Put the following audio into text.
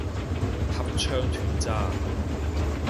合唱團咋